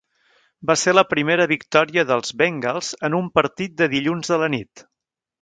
Va ser la primera victòria dels Bengals en un partit de dilluns a la nit.